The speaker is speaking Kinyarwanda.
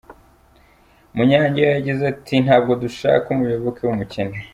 Munyangeyo yagize ati “Ntabwo dushaka umuyoboke w’umukene.